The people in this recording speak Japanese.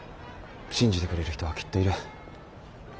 信じてくれる人はきっといる。